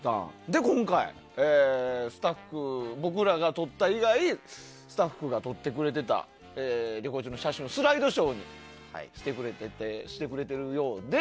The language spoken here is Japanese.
で、今回僕らが撮った以外にスタッフが撮ってくれていた旅行中の写真をスライドショーにしてくれているようで。